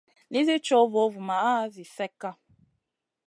Nizi cow vovumaʼa zi slekka.